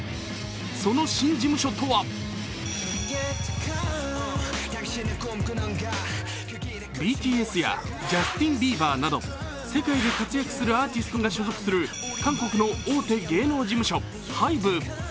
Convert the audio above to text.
その新事務所とはＢＴＳやジャスティン・ビーバーなど世界で活躍するアーティストが所属する韓国の大手芸能事務所・ＨＹＢＥ。